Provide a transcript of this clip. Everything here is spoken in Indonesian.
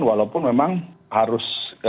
walaupun memang harus